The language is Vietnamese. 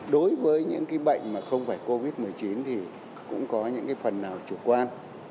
đối với những bệnh mà không phải covid một mươi chín thì cũng có những phần nào chủ quan